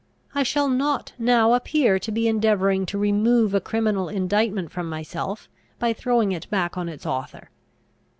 I shall not now appear to be endeavouring to remove a criminal indictment from myself, by throwing it back on its author!